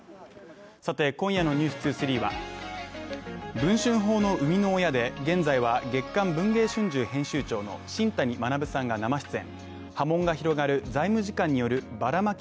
今夜の「ｎｅｗｓ２３」は文春砲の生みの親で現在は月刊「文藝春秋」編集長の新谷学さんが生出演。